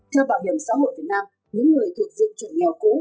theo bảo hiểm xã hội việt nam những người thuộc diện chuẩn nghèo cũ